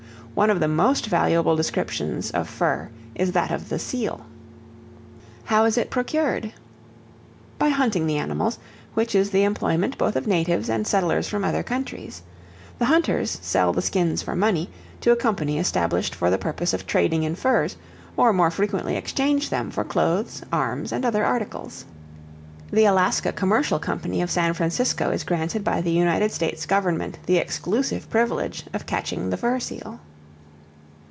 One of the most valuable descriptions of fur is that of the seal. How is it procured? By hunting the animals, which is the employment both of natives and settlers from other countries; the hunters sell the skins for money, to a company established for the purpose of trading in furs, or more frequently exchange them for clothes, arms, and other articles. The Alaska Commercial Company of San Francisco is granted by the United States Government the exclusive privilege of catching the fur seal.